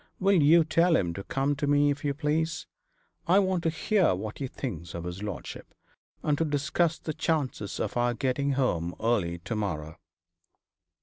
Will you tell him to come to me, if you please? I want to hear what he thinks of his lordship, and to discuss the chances of our getting home early to morrow.'